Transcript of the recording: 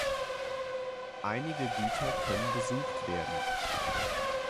Einige Güter können besucht werden.